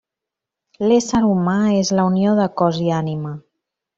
L'ésser humà és la unió de cos i ànima.